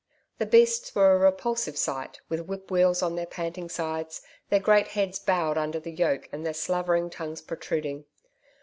The beasts were a repulsive sight, with whip weals on their panting sides, their great heads bowed under the yoke and their slavering tongues protruding.